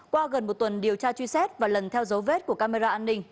qua gần một tuần điều tra truy xét và lần theo dấu vết của camera an ninh